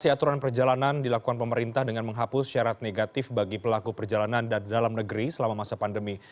aturan perjalanan dilakukan pemerintah dengan menghapus syarat negatif bagi pelaku perjalanan dalam negeri selama masa pandemi